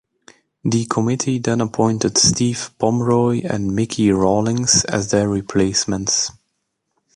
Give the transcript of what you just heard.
The committee then appointed Steve Pomroy and Micky Rawlings as their replacements.